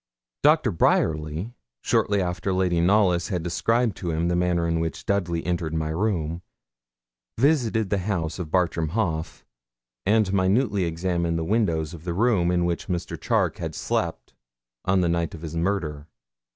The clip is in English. Doctor Bryerly, shortly after Lady Knollys had described to him the manner in which Dudley entered my room, visited the house of Bartram Haugh, and minutely examined the windows of the room in which Mr. Charke had slept on the night of his murder.